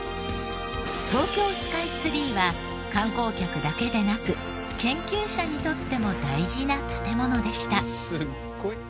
東京スカイツリーは観光客だけでなく研究者にとっても大事な建ものでした。